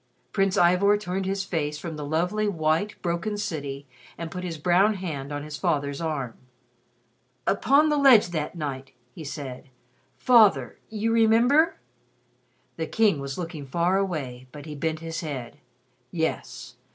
Prince Ivor turned his face from the lovely, white, broken city, and put his brown hand on his father's arm. "Upon the ledge that night " he said, "Father, you remember ?" The King was looking far away, but he bent his head: "Yes.